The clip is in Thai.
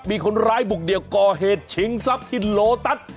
มีคนร้ายบุกเดี่ยวก่อเหตุชิงทรัพย์ที่โลตัส